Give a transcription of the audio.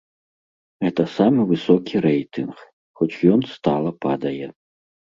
Гэта самы высокі рэйтынг, хоць ён стала падае.